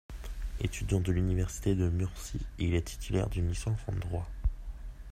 Étudiant de l'université de Murcie, il est titulaire d'une licence en droit.